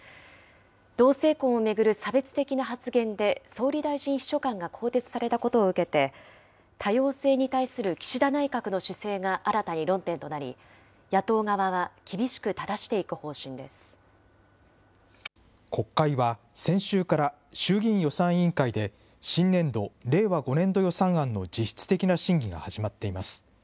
同性婚を巡る差別的な発言で、総理大臣秘書官が更迭されたことを受けて、多様性に対する岸田内閣の姿勢が新たに論点となり、野党側は厳し国会は、先週から衆議院予算委員会で、新年度・令和５年度予算案の実質的な審議が始まっています。